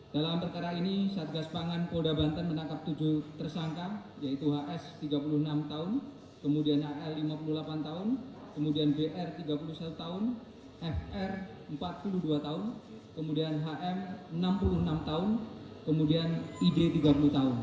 dalam perkara ini satgas pangan polda banten menangkap tujuh tersangka yaitu hs tiga puluh enam tahun kemudian al lima puluh delapan tahun kemudian br tiga puluh satu tahun fr empat puluh dua tahun kemudian hm enam puluh enam tahun kemudian id tiga puluh tahun